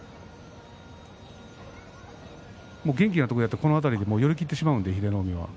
元気な時はこの辺りで寄り切ってしまうので英乃海は。